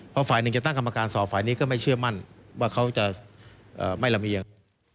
เพราะฝ่ายหนึ่งจะตั้งกรรมการสอบฝ่ายนี้ก็ไม่เชื่อมั่นว่าเขาจะไม่ระเบียง